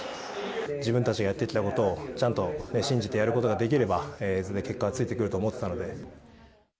自分たちがやってきたことをちゃんと信じてやることができれば、いずれ結果はついてくると思っていたので。